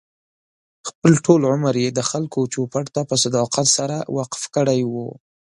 خپل ټول عمر یې د خلکو چوپـړ ته په صداقت سره وقف کړی و.